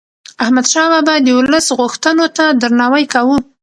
احمد شاه بابا د ولس غوښتنو ته درناوی کاوه.